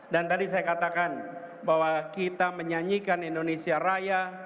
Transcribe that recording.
dan tadi saya katakan bahwa kita menyanyikan indonesia raya